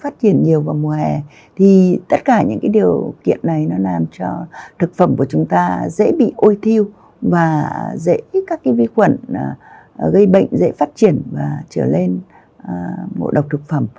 thì tất cả những điều kiện này làm cho thực phẩm của chúng ta dễ bị ôi thiêu và dễ các vi khuẩn gây bệnh dễ phát triển và trở lên ngộ độc thực phẩm